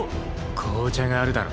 紅茶があるだろ。